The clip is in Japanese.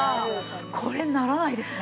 これならないですね。